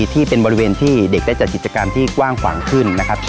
ที่เป็นบริเวณที่เด็กได้จัดกิจกรรมที่กว้างขวางขึ้นนะครับ